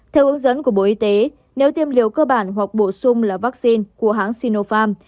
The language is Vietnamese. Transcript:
theo hướng dẫn của bộ y tế nếu tiêm liều cơ bản hoặc bổ sung là vaccine của hãng sinopharm